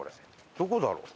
どこだろう？